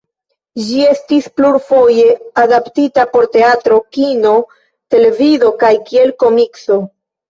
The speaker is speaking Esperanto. Ĝi estis plurfoje adaptita por teatro, kino, televido kaj kiel komikso.